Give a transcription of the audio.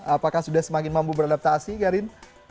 apakah sudah semakin mampu beradaptasi karin